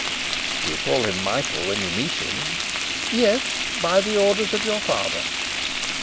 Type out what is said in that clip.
"You call him Michael when you meet him?" "Yes by the orders of your father."